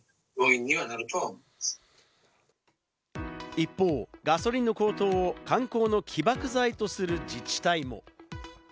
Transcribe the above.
一方、ガソリンの高騰を観光の起爆剤とする自治体も。